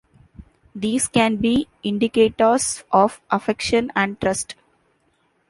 These can be indicators of affection and trust.